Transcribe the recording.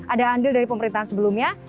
ada andil dari pemerintahan sebelumnya